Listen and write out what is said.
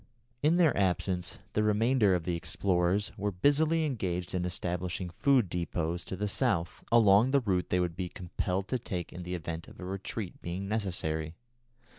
In their absence the remainder of the explorers were busily engaged in establishing food depôts to the south, along the route they would be compelled to take in the event of a retreat being necessary.